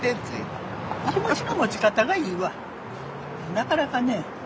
なかなかね。